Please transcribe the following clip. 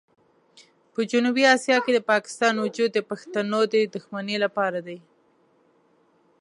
په جنوبي اسیا کې د پاکستان وجود د پښتنو د دښمنۍ لپاره دی.